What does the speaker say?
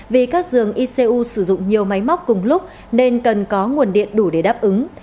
vì các giường icu sử dụng nhiều máy móc cùng lúc nên cần có nguồn điện đủ để đáp ứng